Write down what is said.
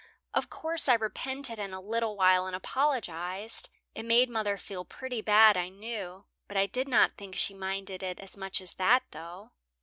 Of course I repented in a little while and apologized. It made mother feel pretty bad, I knew, but I did not think she minded it as much as that, though."